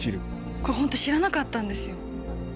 これ本当、知らなかったんですよね。